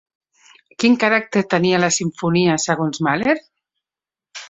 Quin caràcter tenia la simfonia segons Mahler?